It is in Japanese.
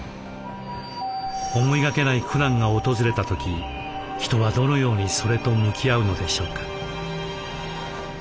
思いがけない苦難が訪れた時人はどのようにそれと向き合うのでしょうか。